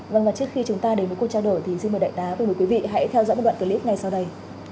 vâng ạ trước khi chúng ta đến với cuộc trao đổi thì xin mời đại tá quý vị hãy theo dõi một đoạn clip ngay sau đây